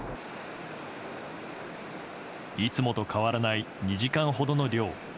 いつもと変わらない２時間ほどの漁。